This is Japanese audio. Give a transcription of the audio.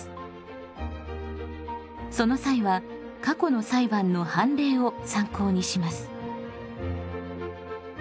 その際は過去の裁判の判例を参考にします。